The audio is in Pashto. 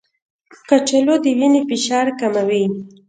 کچالو د وینې فشار کموي.